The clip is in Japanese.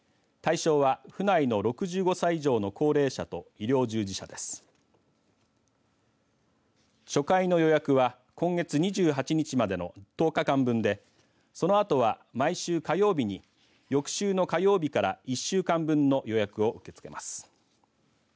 初回の予約は今月２８日までの１０日間分でそのあとは、毎週火曜日に翌週の火曜日から１週間分の予約を受け付けます。